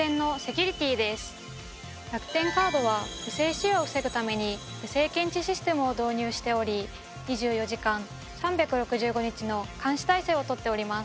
楽天カードは不正使用を防ぐために不正検知システムを導入しており２４時間３６５日の監視体制を取っております。